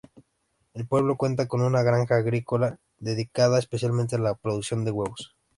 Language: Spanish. El pueblo cuenta con una granja avícola dedicada especialmente a la producción de huevos.